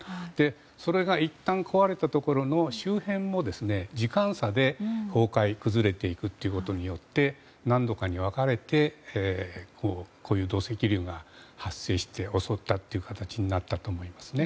それがいったん壊れたところの周辺を時間差で崩壊、崩れていくということによって何度かに分かれて土石流が発生して襲ったという形になったと思いますね。